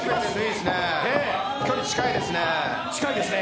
距離近いですね。